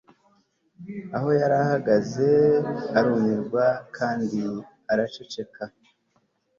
aho yari ahagaze arumirwa kandi aracecetse